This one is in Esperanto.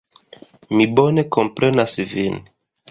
Mi bone komprenas vin.